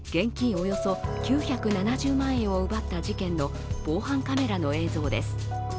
およそ９７０万円を奪った事件の防犯カメラの映像です。